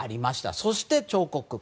そして、彫刻家。